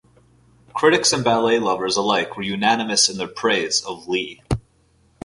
Critics and ballet lovers alike were unanimous in their praise of Lee.